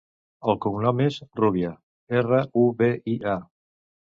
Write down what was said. El cognom és Rubia: erra, u, be, i, a.